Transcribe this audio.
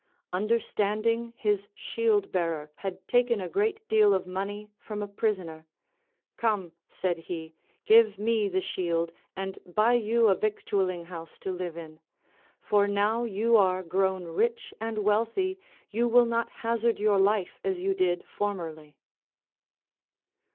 Understanding his shield bearer had taken a great deal of money from a pris oner, Come, said he, give me the shield, and buy you a victualling house to live in ; for now you are grown rich and Avealthy, you will not hazard your life as yon did ior merlv.